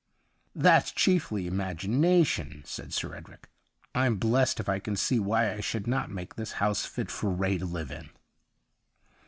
' That's chiefly imagination,' said Sir Edric. ' I'm blest if I can see why I should not make this house fit for Ray to live in.'